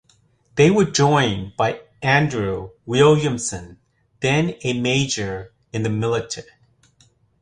They were joined by Andrew Williamson, then a major in the militia.